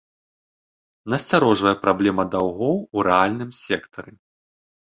Насцярожвае праблема даўгоў у рэальным сектары.